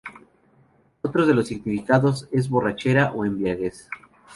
Otro de los significados es borrachera o embriaguez.